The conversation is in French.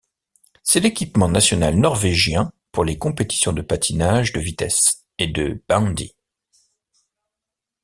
C'est l'équipement national norvégien pour les compétitions de patinage de vitesse et de bandy.